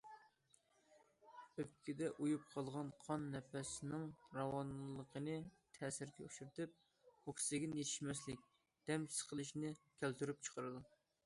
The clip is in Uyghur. ئۆپكىدە ئۇيۇپ قالغان قان نەپەسنىڭ راۋانلىقىنى تەسىرگە ئۇچرىتىپ، ئوكسىگېن يېتىشمەسلىك، دەم سىقىلىشنى كەلتۈرۈپ چىقىرىدۇ.